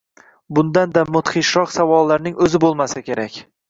Bundanda mudhishroq savollarning o‘zi bo‘lmasa kerak.